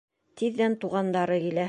Тиҙҙән туғандары килә.